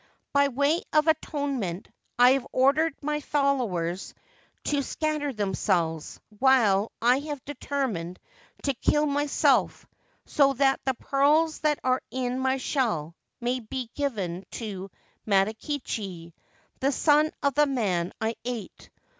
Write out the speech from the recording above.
By way of atonement I have ordered my followers to scatter themselves, while I have determined to kill my self, so that the pearls that are in my shell may be given to Matakichi, the son of the man I ate.